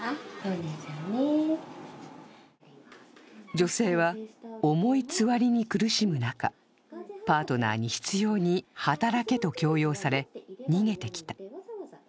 女性は、重いつわりに苦しむ中、パートナーに執ように働けと強要され、逃げてきた。